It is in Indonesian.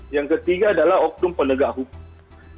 yang ketiga adalah oknum penegak hukum